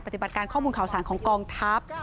ปฏิบัติการข้อมูลข่าวสารของกองทัพ